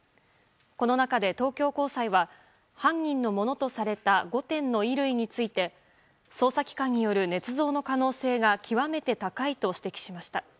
この中で、東京高裁は犯人のものとされた５点の衣類について捜査機関によるねつ造の可能性が極めて高いと指摘しました。